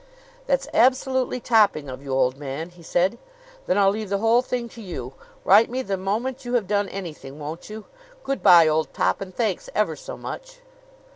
"That's absolutely topping of you, old man!" he said. "Then I'll leave the whole thing to you. Write me the moment you have done anything, won't you? Good by, old top, and thanks ever so much!"